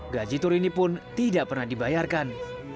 gaji turini pun tidak pernah dibayarkan